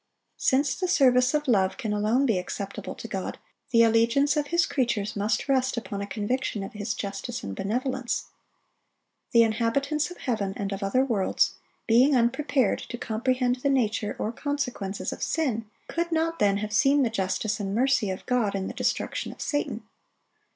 Since the service of love can alone be acceptable to God, the allegiance of His creatures must rest upon a conviction of His justice and benevolence. The inhabitants of heaven and of other worlds, being unprepared to comprehend the nature or consequences of sin, could not then have seen the justice and mercy of God in the destruction of Satan.